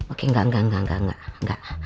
oke gak gak gak